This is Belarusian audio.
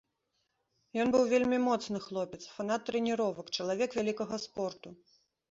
Ён быў вельмі моцны хлопец, фанат трэніровак, чалавек вялікага спорту.